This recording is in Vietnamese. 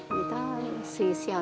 người ta xì xèo